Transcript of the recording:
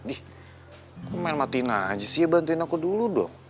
ih aku main matiin aja sih bantuin aku dulu dong